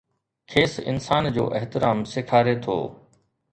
کيس انسان جو احترام سيکاري ٿو.